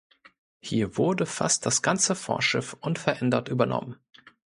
Hier wurde fast das ganze Vorschiff unverändert übernommen.